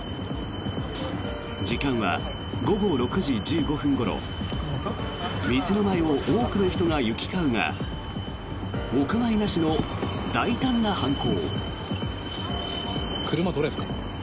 時間は午後６時１５分ごろ店の前を多くの人が行き交うがお構いなしの大胆な犯行。